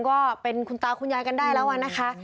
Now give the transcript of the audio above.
ก็เป็นคุณตาคุณยายกันได้แล้วนะคะ